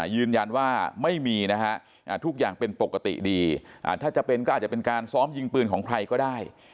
ยืนยันว่าไม่มีนะฮะทุกอย่างเป็นปกติดีถ้าจะเป็นก็อาจจะเป็นการซ้อมยิงปืนของใครก็ได้